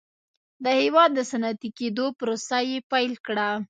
د هېواد د صنعتي کېدو پروسه یې پیل کړه.